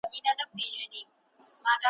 هر لښتی يې اباسين ؤ ,